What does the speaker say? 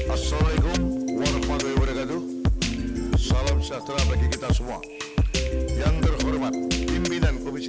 assalamualaikum warahmatullahi wabarakatuh salam sejahtera bagi kita semua yang terhormat pimpinan komisi